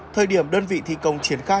thời điểm đơn vị thi công triển khai